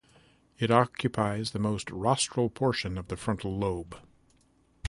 It occupies the most rostral portion of the frontal lobe.